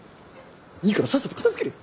いいからさっさと片づけれ。